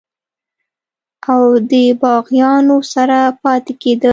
او دَباغيانو سره پاتې کيدل